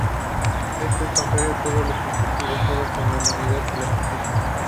Esto es contrario a todos los principios basados en la humanidad y la justicia.